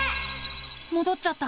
もどっちゃった。